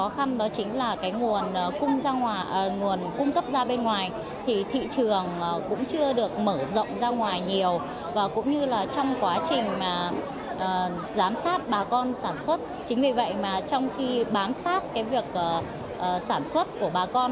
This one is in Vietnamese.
phần trong việc đi lại và giám sát khâu sản xuất của bà con